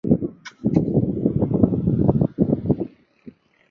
aa ikifikia chini kwa wananchi